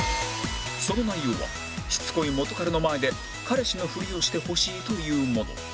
その内容はしつこい元カレの前で彼氏のフリをしてほしいというもの